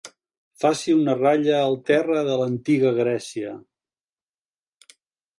Faci una ratlla al terra de l'antiga Grècia.